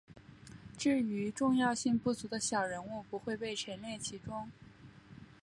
至于重要性不足的小人物不会被陈列其中。